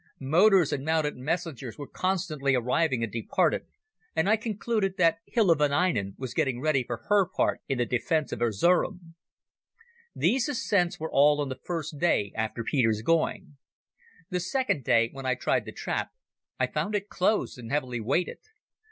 Motors and mounted messengers were constantly arriving and departing, and I concluded that Hilda von Einem was getting ready for her part in the defence of Erzerum. These ascents were all on the first day after Peter's going. The second day, when I tried the trap, I found it closed and heavily weighted.